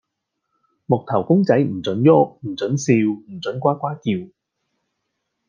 木頭公仔唔准郁，唔准笑，唔准呱呱叫